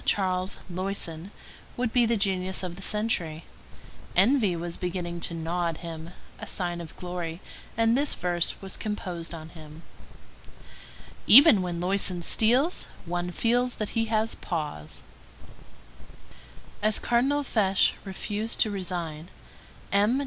Charles Loyson would be the genius of the century; envy was beginning to gnaw at him—a sign of glory; and this verse was composed on him:— "Even when Loyson steals, one feels that he has paws." As Cardinal Fesch refused to resign, M.